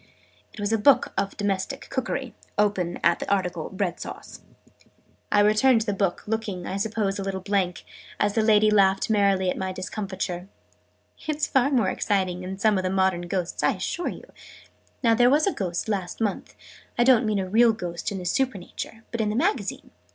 It was a book of Domestic Cookery, open at the article Bread Sauce.' I returned the book, looking, I suppose, a little blank, as the lady laughed merrily at my discomfiture. "It's far more exciting than some of the modern ghosts, I assure you! Now there was a Ghost last month I don't mean a real Ghost in in Supernature but in a Magazine.